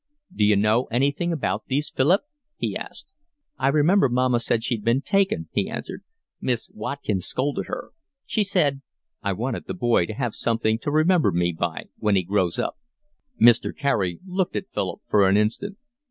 "D'you know anything about these, Philip?" he asked. "I remember mamma said she'd been taken," he answered. "Miss Watkin scolded her…. She said: I wanted the boy to have something to remember me by when he grows up." Mr. Carey looked at Philip for an instant.